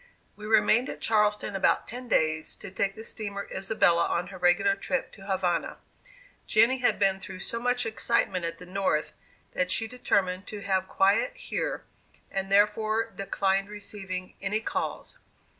We remained at Charleston about ten days, to take the steamer "Isabella" on her regular trip to Havana. Jenny had been through so much excitement at the North, that she determined to have quiet here, and therefore declined receiving any calls.